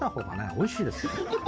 おいしいですよ。